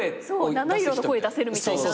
七色の声出せるみたいな。